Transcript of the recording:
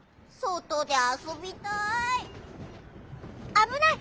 ・あぶない！